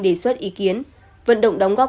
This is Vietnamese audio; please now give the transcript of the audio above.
đề xuất ý kiến vận động đóng góp